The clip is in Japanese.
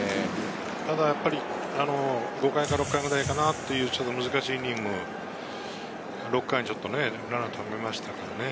ただやっぱり５回か６回ぐらいかなという難しいイニング、６回にちょっとランナーをためましたからね。